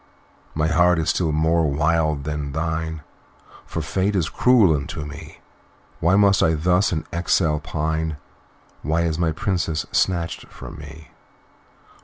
"My heart is still more wild than thine, For Fate is cruel unto me. Why must I thus in exile pine? Why is my Princess snatched from me?